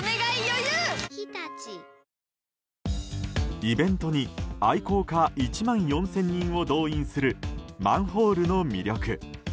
イベントに愛好家１万４０００人を動員するマンホールの魅力。